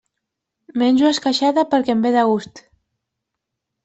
Menjo esqueixada perquè em ve de gust.